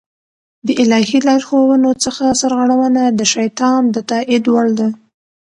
د الهي لارښوونو څخه سرغړونه د شيطان د تائيد وړ ده